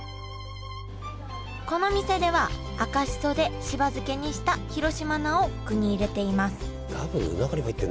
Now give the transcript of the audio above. この店では赤しそでしば漬けにした広島菜を具に入れています。